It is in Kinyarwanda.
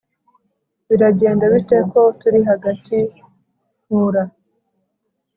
biragenda bite ko turi hagati nkur